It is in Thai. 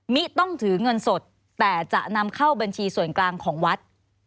มิต้องถือเงินสดแต่จะนำเข้าบัญชีส่วนกลางของวัด